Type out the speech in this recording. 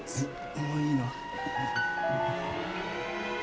もういいの？